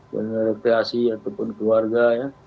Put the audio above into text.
kepriasi ataupun keluarga ya